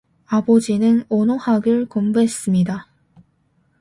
아버지는 언어학을 공부했습니다.